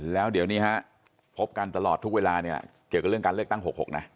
แล้วเดี๋ยวนี้ฮะพบกันตลอดทุกเวลาเนี่ยเกี่ยวกับเรื่องการเลือกตั้ง๖๖นะ